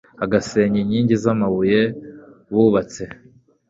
agasenya inkingi zamabuye bubatse